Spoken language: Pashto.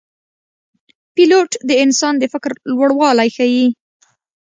پیلوټ د انسان د فکر لوړوالی ښيي.